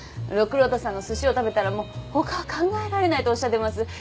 六郎太さんのすしを食べたらもう他は考えられないとおっしゃってます。